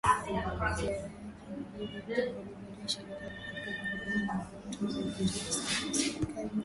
Ziara yake inajiri wiki mbili baada ya shirika la Haki ya binadamu kutoa ripoti ikisema kuwa serikali inatumia vituo vya siri vinavyojulikana